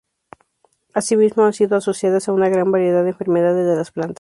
Asimismo, han sido asociadas a una gran variedad de enfermedades de las plantas.